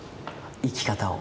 生き方を。